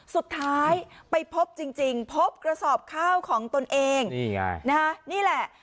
สุดท้ายไปพบจริงพบกระสอบข้าวของตนเองนี่ไงนะฮะนี่แหละ